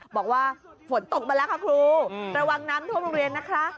บอกว่าฝนตกมาแล้วค่ะครูระวังน้ำท่วมโรงเรียนนะคะ